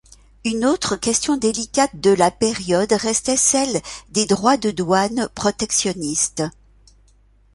Une autre question délicate de la période restait celle des droits de douane protectionnistes.